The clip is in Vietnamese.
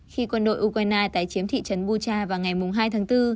khi quân đội ukraine tái chiếm thị trấn bucha vào ngày hai tháng bốn